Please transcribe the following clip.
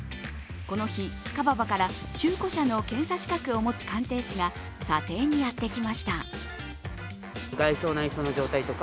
この日、カババから中古車の検査資格を持つ鑑定士が査定にやってきました。